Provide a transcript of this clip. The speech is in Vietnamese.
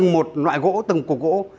một loại gỗ từng cục gỗ